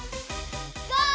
ゴー！